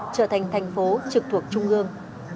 trở thành thành phố trực thuộc trung ương